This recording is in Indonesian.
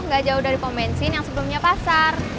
ga jauh dari pembensin yang sebelumnya pasar